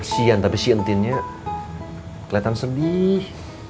sian tapi si entinnya keliatan sedih